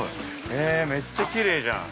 ◆へぇ、めっちゃきれいじゃん。